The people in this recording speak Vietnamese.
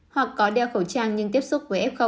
hoặc có đeo khẩu trang nhưng tiếp xúc với f